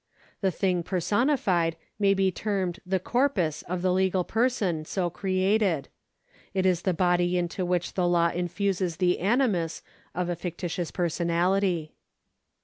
The thing personified may be termed the corpus of the legal person so created ; it is the body into which the law infuses the animus of a fictitious personality.